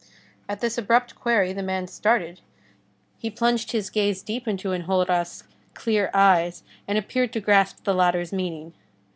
At this abrupt query, the man started. He plunged his gaze deep into Enjolras' clear eyes and appeared to grasp the latter's meaning.